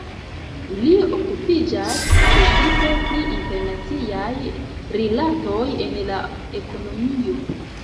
Li okupiĝas precipe pri internaciaj rilatoj en la ekonomio.